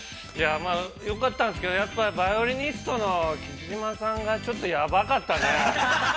◆よかったんですけど、バイオリニストの木島さんがちょっとやばかったね。